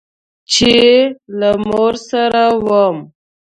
چې له مور سره وم.